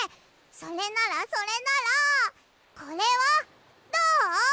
それならそれならこれはどう？